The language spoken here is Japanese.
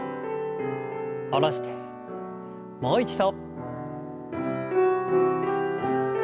下ろしてもう一度。